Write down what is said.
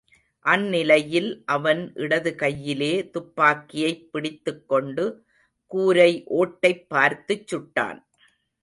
அந்நிலையில் அவன் இடது கையிலே துப்பாக்கியைப் பிடித்துக் கொண்டு கூரை ஓட்டைப்பார்த்துச்சுட்டான்.